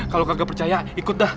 kalau kagak percaya ikut dah